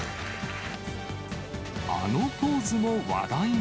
あのポーズも話題に。